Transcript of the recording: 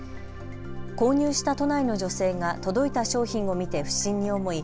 購入した都内の女性が届いた商品を見て不審に思い